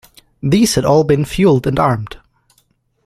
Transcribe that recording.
These had all been fueled and armed.